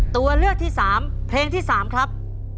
ตัวเลือกที่๓เพลงที่๓ครับ